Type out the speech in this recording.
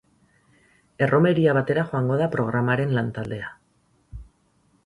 Erromeria batera joango da programaren lantaldea.